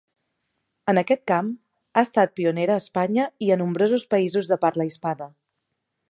En aquest camp, ha estat pionera a Espanya i a nombrosos països de parla hispana.